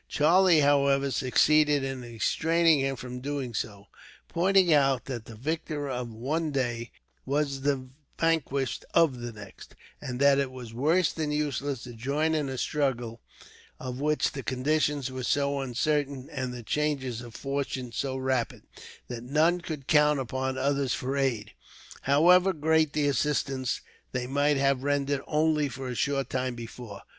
Charlie, however, succeeded in restraining him from doing so; pointing out that the victor of one day was the vanquished of the next, and that it was worse than useless to join in a struggle of which the conditions were so uncertain, and the changes of fortune so rapid, that none could count upon others for aid, however great the assistance they might have rendered only a short time before.